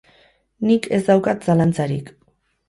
Nik ez daukat zalantzarik.